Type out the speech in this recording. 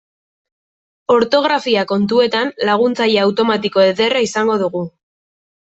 Ortografia kontuetan laguntzaile automatiko ederra izango dugu.